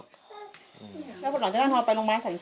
แล้วคุณหล่อจะได้รองไปโรงมาสั่งไซค์